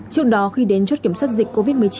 trước đó khi đến chốt kiểm soát dịch covid một mươi chín